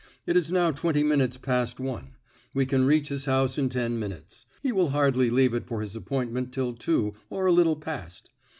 It is now twenty minutes past one; we can reach his house in ten minutes. He will hardly leave it for his appointment till two, or a little past.